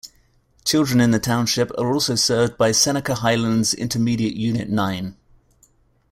Children in the township are also served by Seneca Highlands Intermediate Unit Nine.